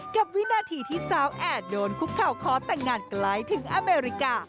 วินาทีที่สาวแอดโดนคุกเข่าขอแต่งงานไกลถึงอเมริกา